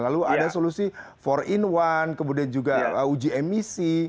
lalu ada solusi empat in satu kemudian juga uji emisi